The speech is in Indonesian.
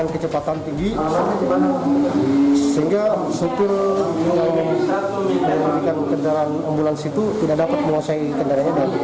kecepatan tinggi sehingga seutuh kendaraan ambulan situ tidak dapat menguasai kendaraannya